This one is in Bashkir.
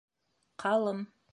Ҡалым.